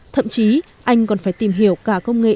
thậm chí anh còn phải tìm hiểu cả công nghệ